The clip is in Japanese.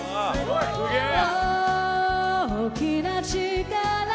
すげえ！